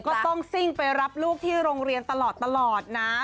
ก็ต้องซิ่งไปรับลูกที่โรงเรียนตลอดนะ